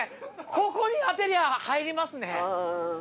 ここに当てりゃ入りますね。